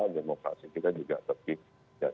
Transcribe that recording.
demokrasi kita juga tetap